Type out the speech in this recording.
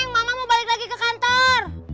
mama mau balik lagi ke kantor